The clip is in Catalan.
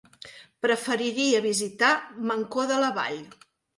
Preferiria visitar Mancor de la Vall.